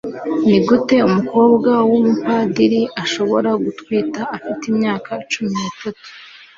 nigute umukobwa wumupadiri ashobora gutwita afite imyaka cumi n'itatu